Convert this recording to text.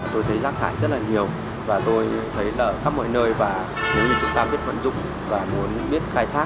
tôi thấy rác thải rất là nhiều và tôi thấy là khắp mọi nơi và nếu như chúng ta biết vận dụng và muốn biết khai thác